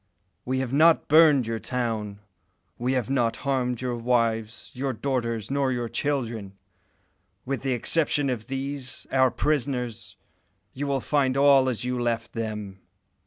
We have not burned your town; we have not harmed your wives, your daughters, nor your children. With the exception of these, our prisoners, you will find all as you left them."